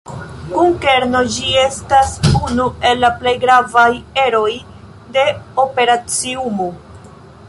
Kun kerno, ĝi estas unu el la plej gravaj eroj de operaciumo.